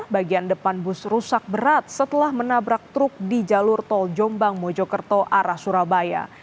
bagian depan bus rusak berat setelah menabrak truk di jalur tol jombang mojokerto arah surabaya